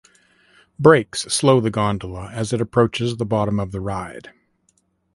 Brakes slow the gondola as it approaches the bottom of the ride.